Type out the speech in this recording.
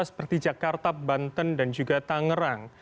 seperti jakarta banten dan juga tangerang